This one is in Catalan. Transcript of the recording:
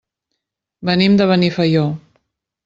Venim de Benifaió.